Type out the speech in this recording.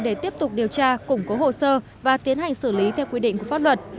để tiếp tục điều tra củng cố hồ sơ và tiến hành xử lý theo quy định của pháp luật